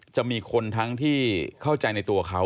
จะมีคนทั้งที่เข้าใจในตัวเขา